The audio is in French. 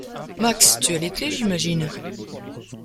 Max, tu as les clés, j’imagine ?